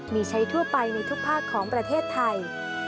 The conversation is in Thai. มีใช้ทั่วไปในทุกภาคของประเทศไทย